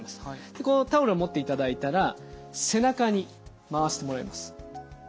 でこうタオルを持っていただいたら背中に回してもらいます。